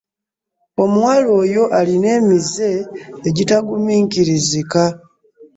Omuwala oyo alina emize egitaguminkirizika.